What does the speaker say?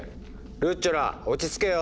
ルッチョラ落ち着けよ！